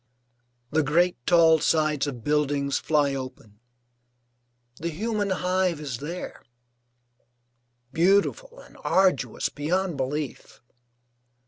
The great tall sides of buildings fly open, the human hive is there, beautiful and arduous beyond belief.